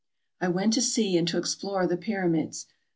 I went to see and to explore the Pyramids.